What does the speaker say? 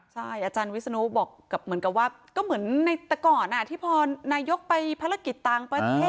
ใช่อาจารย์วิศนุบอกเหมือนกับว่าก็เหมือนในแต่ก่อนที่พอนายกไปภารกิจต่างประเทศ